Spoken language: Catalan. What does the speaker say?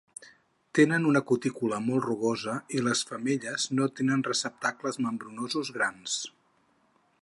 Tenen una cutícula molt rugosa i les femelles no tenen receptacles membranosos grans.